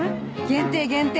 限定限定